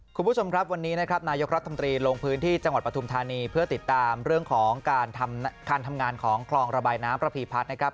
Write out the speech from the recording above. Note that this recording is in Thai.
คุณผู้ชมครับวันนี้นะครับนายกรัฐมนตรีลงพื้นที่จังหวัดปฐุมธานีเพื่อติดตามเรื่องของการทำการทำงานของคลองระบายน้ำประพีพัฒน์นะครับ